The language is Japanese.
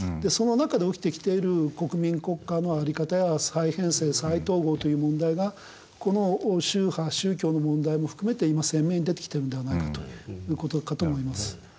その中で起きてきている国民国家の在り方や再編成再統合という問題がこの宗派宗教の問題も含めて今鮮明に出てきてるのではないかという事かと思います。